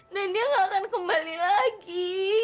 dan dia gak akan kembali lagi